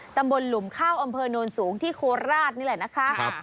หลุมข้าวอำเภอโนนสูงที่โคราชนี่แหละนะคะ